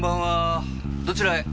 どちらへ？